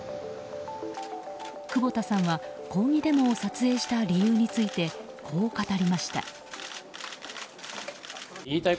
久保田さんは抗議デモを撮影した理由についてこう語りました。